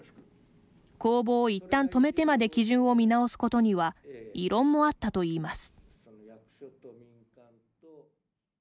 公募をいったん止めてまで基準を見直すことには異論もあったといいます。